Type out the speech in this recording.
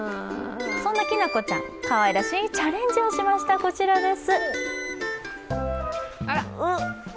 そんなきなこちゃん、かわいらしいチャレンジをしました、こちらです。